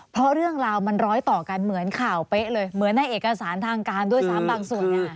เพราะเรื่องราวมันร้อยต่อกันเหมือนข่าวเป๊ะเลยเหมือนในเอกสารทางการด้วยซ้ำบางส่วน